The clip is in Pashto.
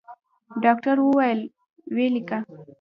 ډاکتر وويل ويې ليکه.